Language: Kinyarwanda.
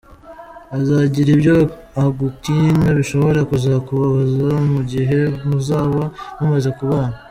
Azagira ibyo agukinga, bishobora kuzakubabaza mu gihe muzaba mumaze kubana.